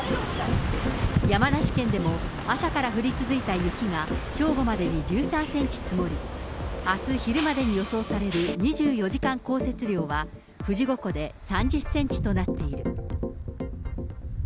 山梨県でも朝から降り続いた雪が正午までに１３センチ積もり、あす昼までに予想される２４時間降雪量は、富士五湖で３０センチとなっている。